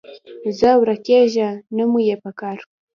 ځه ورکېږه، نه مو یې پکار